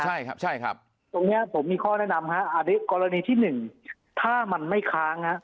ใช่ครับใช่ครับตรงนี้ผมมีข้อแนะนำฮะอันนี้กรณีที่หนึ่งถ้ามันไม่ค้างฮะ